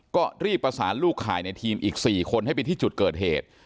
ก็รีบประสานลูกข่ายในทีมอีก๔คนให้ไปที่จุดเกิดเหตุ